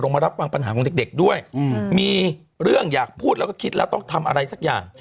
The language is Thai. มารับฟังปัญหาของเด็กด้วยมีเรื่องอยากพูดแล้วก็คิดแล้วต้องทำอะไรสักอย่าง